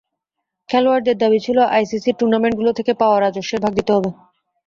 খেলোয়াড়দের দাবি ছিল, আইসিসির টুর্নামেন্টগুলো থেকে পাওয়া রাজস্বের ভাগ দিতে হবে।